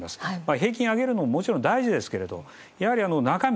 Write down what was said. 平均を上げるのはもちろん大事ですがやはり、中身。